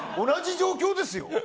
同じ状況ですよ。